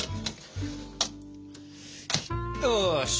よし。